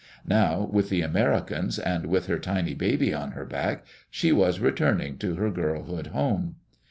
Now, with the Americans, and with her tiny baby on her back, she was returning to her girlhood home.